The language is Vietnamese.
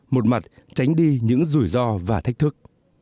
một mặt tránh đi những rủi ro và thách thức